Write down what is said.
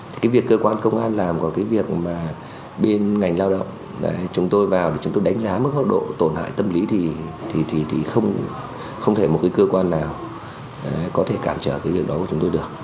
cái việc cơ quan công an làm và cái việc mà bên ngành lao động chúng tôi vào để chúng tôi đánh giá mức hốc độ tổn hại tâm lý thì không thể một cơ quan nào có thể cản trở cái việc đó của chúng tôi được